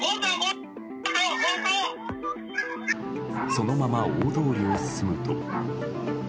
そのまま大通りを進むと。